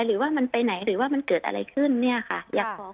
หรือว่ามันไปไหนหรือว่ามันเกิดอะไรขึ้นเนี่ยค่ะอยากขอ